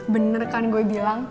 bener kan gue bilang